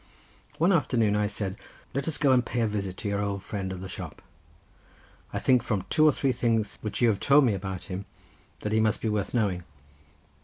One afternoon I said: "Let us go and pay a visit to your old friend of the shop. I think from two or three things which you have told me about him, that he must be worth knowing."